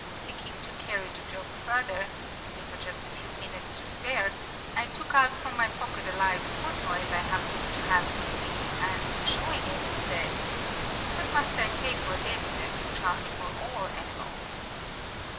Thinking to carry the joke further (there were just a few minutes to spare), I took out from my pocket a live tortoise I happened to have with me, and showing it, said, "What must I pay for this, as you charge for all animals?"